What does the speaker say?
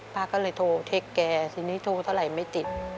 ป้าก็เลยโทรเช็คแกทีนี้โทรเท่าไหร่ไม่ติด